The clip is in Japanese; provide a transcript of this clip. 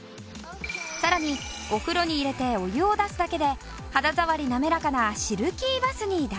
さらにお風呂に入れてお湯を出すだけで肌触りなめらかなシルキーバスに大変身。